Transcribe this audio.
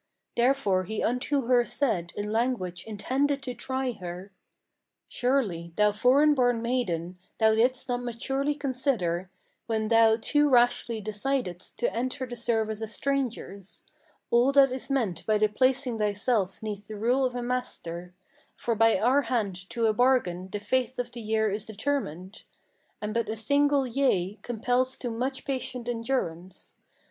Therefore he unto her said in language intended to try her: "Surely, thou foreign born maiden, thou didst not maturely consider, When thou too rashly decidedst to enter the service of strangers, All that is meant by the placing thyself 'neath the rule of a master; For by our hand to a bargain the fate of the year is determined, And but a single 'yea' compels to much patient endurance.